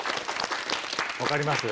分かります？